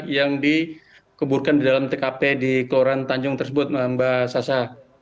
yang dikuburkan di dalam tkp di kelurahan tanjung tersebut mbak sasa